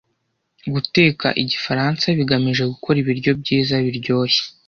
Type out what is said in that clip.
Guteka Igifaransa bigamije gukora ibiryo byiza, biryoshye.